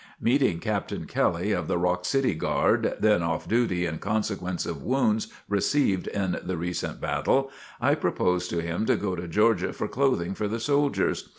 Meeting Captain Kelly, of the Rock City Guard, then off duty in consequence of wounds received in the recent battle, I proposed to him to go to Georgia for clothing for the soldiers.